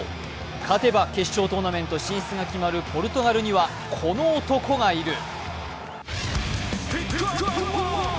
勝てば決勝トーナメント進出が決まるポルトガルにはこの男がいる。